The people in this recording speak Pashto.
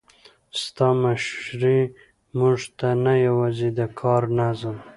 ستا مشري موږ ته نه یوازې د کار نظم،